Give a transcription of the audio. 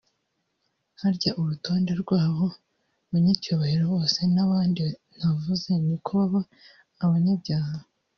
Harya urutonde rw’abo banyacyubahiro bose n’abandi ntavuze niko baba abanyabyaha